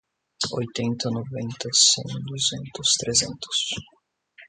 Oitenta, noventa, cem, duzentos, trezentos